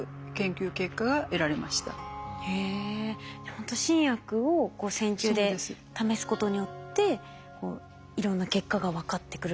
ほんと新薬を線虫で試すことによっていろんな結果が分かってくる。